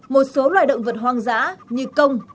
một số loài động vật hoang dã như công